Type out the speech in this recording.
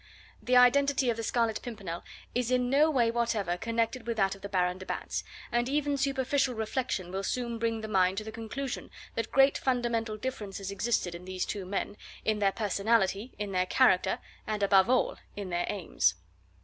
The identity of the Scarlet Pimpernel is in no way whatever connected with that of the Baron de Batz, and even superficial reflection will soon bring the mind to the conclusion that great fundamental differences existed in these two men, in their personality, in their character, and, above all, in their aims.